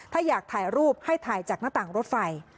ถ้าอยากถ่ายรูปให้ถ่ายจากหน้าต่างรถไฟ